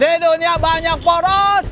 di dunia banyak poros